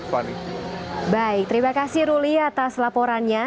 baik terima kasih ruli atas laporannya